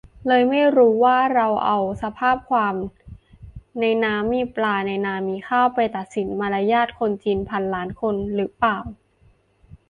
เลยไม่รู้ว่า เราเอาสภาพความ "ในน้ำมีปลาในนามีข้าว" ไปตัดสินมารยาทคนจีนพันล้านคนรึเปล่า